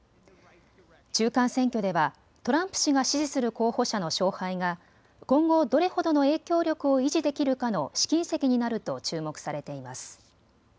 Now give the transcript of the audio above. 中間選挙ではトランプ氏が支持する候補者の勝敗が今後どれほどの影響力を維持できるかの試金石になると注目されています。